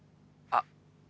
あっ。